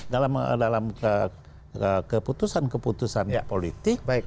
dalam keputusan keputusan politik